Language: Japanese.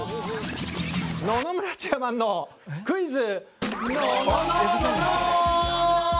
野々村チェアマンのクイズ。